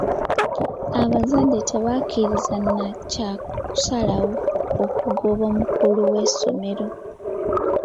Abazadde tebakkirizza na kya kusalawo okokugoba omukulu w'essomero.